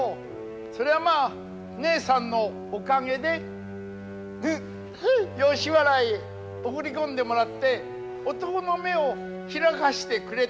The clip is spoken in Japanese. そりゃまあねえさんのおかげでフフ吉原へ送り込んでもらって男の目を開かしてくれた。